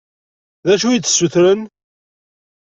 D acu i yi-d-ssutren?